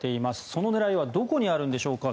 その狙いはどこにあるんでしょうか。